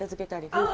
はい。